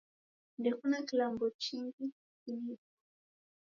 Ndekuna kilambo chingi chiniidagh.